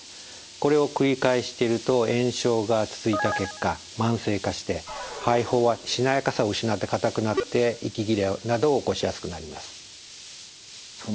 これを繰り返してると炎症が続いた結果慢性化して肺胞はしなやかさを失ってかたくなって息切れなどを起こしやすくなります。